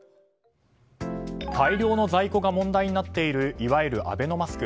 大量の在庫が問題になっているいわゆるアベノマスク。